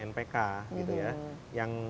npk gitu ya yang